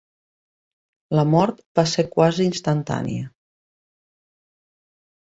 La mort va ser quasi instantània.